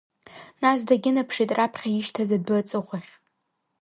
Нас дагьынаԥшит раԥхьа ишьҭаз адәы аҵыхәахь.